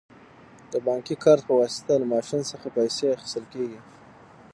د بانکي کارت په واسطه له ماشین څخه پیسې اخیستل کیږي.